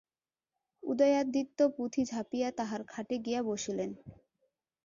উদয়াদিত্য পুঁথি ঝাঁপিয়া তাঁহার খাটে গিয়া বসিলেন।